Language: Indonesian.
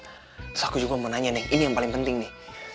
terus aku juga mau nanya nih ini yang paling penting nih